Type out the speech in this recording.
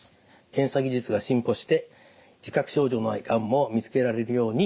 検査技術が進歩して自覚症状のないがんも見つけられるようになりました。